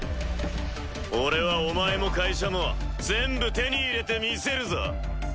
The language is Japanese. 俺はお前も会社も全部手に入れてみせるぞ。